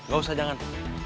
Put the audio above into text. gak usah jangan